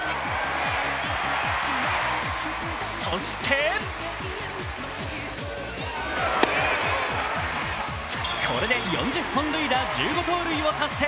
そしてこれで４０本塁打・１５盗塁を達成。